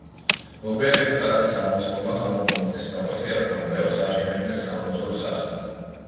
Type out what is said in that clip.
მოგვიანებით ქალაქის აღმასკომმა გამოყო მიწის ნაკვეთი რათა მრევლს აეშენებინა სამლოცველო სახლი.